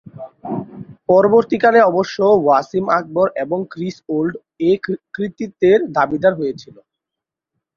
পরবর্তীকালে অবশ্য ওয়াসিম আকরাম এবং ক্রিস ওল্ড এ কৃতিত্বের দাবীদার হয়েছিলেন।